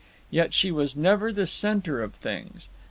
Yet she was never the centre of things.